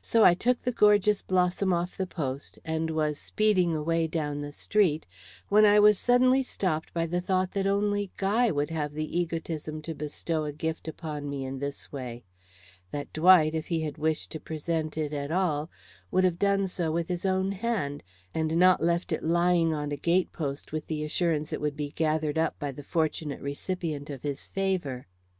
So I took the gorgeous blossom off the post and was speeding away down the street, when I was suddenly stopped by the thought that only Guy would have the egotism to bestow a gift upon me in this way; that Dwight, if he had wished to present it at all, would have done so with his own hand, and not left it lying on a gate post with the assurance it would be gathered up by the fortunate recipient of his favor.